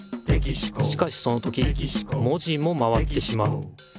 しかしその時文字も回ってしまう。